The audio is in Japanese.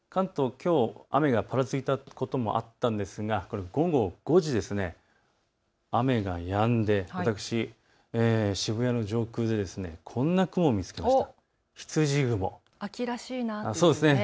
きょう雨がぱらついたこともあったんですが午後５時、雨がやんで私、渋谷の上空でこんな雲を見つけました。